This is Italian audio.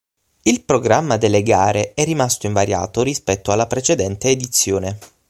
Il programma delle gare è rimasto invariato rispetto alla precedente edizione.